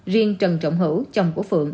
riêng trần trọng hữu chồng của phượng